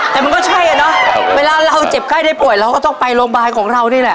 แต่มันก็ใช่อ่ะเนอะเวลาเราเจ็บไข้ได้ป่วยเราก็ต้องไปโรงพยาบาลของเรานี่แหละ